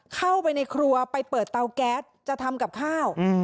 เข้าไปในครัวไปเปิดเตาแก๊สจะทำกับข้าว